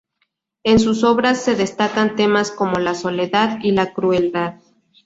En sus obras se destacan temas como la soledad y la crueldad.